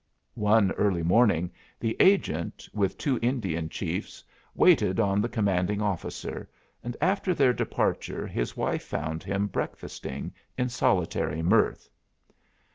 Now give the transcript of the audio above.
One early morning the agent, with two Indian chiefs, waited on the commanding officer, and after their departure his wife found him breakfasting in solitary mirth.